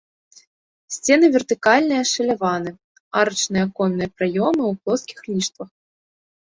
Сцены вертыкальная ашаляваны, арачныя аконныя праёмы ў плоскіх ліштвах.